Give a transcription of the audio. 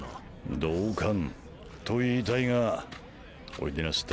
同感と言いたいがおいでなすった。